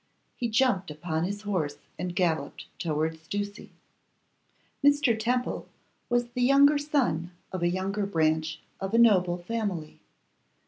He jumped upon his horse and galloped towards Ducie. Mr. Temple was the younger son of a younger branch of a noble family.